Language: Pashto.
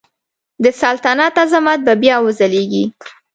د سلطنت عظمت به بیا وځلیږي.